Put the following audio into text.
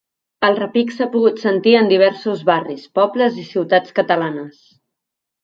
El repic s’ha pogut sentir en diversos barris, pobles i ciutats catalanes.